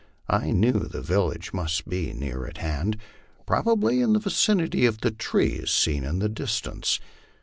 I knew the village must be near at hand, probably in the vicinity of the trees seen in the distance.